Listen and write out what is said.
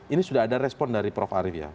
ini sudah ada respon dari prof arief ya